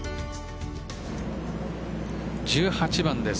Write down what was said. １８番です。